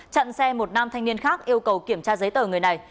chặn xe một nam thanh niên khác yêu cầu kiểm tra giấy tờ người này